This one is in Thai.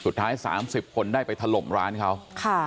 สุดท้ายสามสิบคนได้ไปถล่มร้านเขาค่ะ